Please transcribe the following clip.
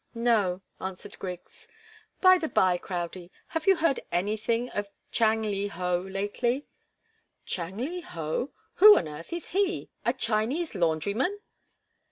"No," answered Griggs. "By the bye, Crowdie, have you heard anything of Chang Li Ho lately?" "Chang Li Ho? Who on earth is he? A Chinese laundryman?"